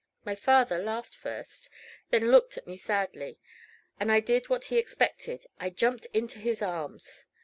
My father laughed first, then looked at me sadly; and I did what he expected, I jumped into his arms.